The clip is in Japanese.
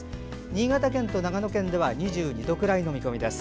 新潟県と長野県では２２度くらいの見込みです。